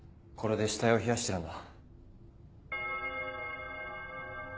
これで死体を冷やしてるんだ。